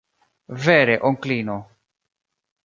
Vere, onklino.